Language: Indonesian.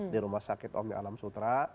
di rumah sakit omik alam sutra